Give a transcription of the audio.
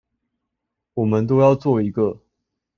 我們都要做一個